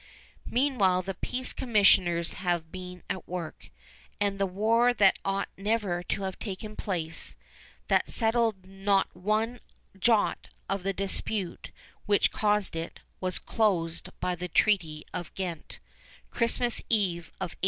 Meanwhile the peace commissioners have been at work; and the war that ought never to have taken place, that settled not one jot of the dispute which caused it, was closed by the Treaty of Ghent, Christmas Eve of 1814.